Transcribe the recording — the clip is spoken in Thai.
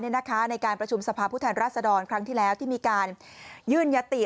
ในนะคะในการประชุมสภาพุทธรรษฎรครั้งที่แล้วที่มีการยื่นยติ